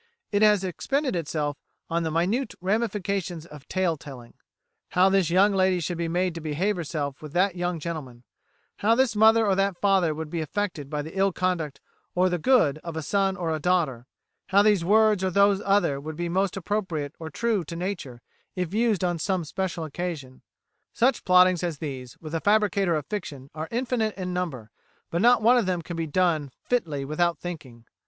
It has expended itself on the minute ramifications of tale telling: how this young lady should be made to behave herself with that young gentleman; how this mother or that father would be affected by the ill conduct or the good of a son or a daughter; how these words or those other would be most appropriate or true to nature if used on some special occasion. Such plottings as these with a fabricator of fiction are infinite in number, but not one of them can be done fitly without thinking.